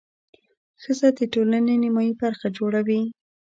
ښځه د ټولنې نیمایي برخه جوړوي.